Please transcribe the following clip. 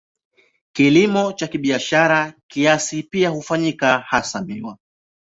Kilimo cha kibiashara kiasi pia hufanyika, hasa miwa.